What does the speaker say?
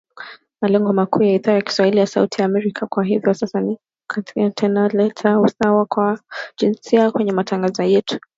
Malengo makuu ya Idhaa ya kiswahili ya Sauti ya Amerika kwa hivi sasa ni kuhakikisha tuna leta usawa wa jinsia kwenye matangazo yetu